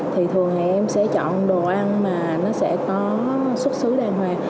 thì thường ngày em sẽ chọn đồ ăn mà nó sẽ có xuất xứ đàng hoàng